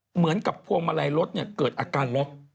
พวงมาลัยรถเนี่ยเกิดอาการล็อก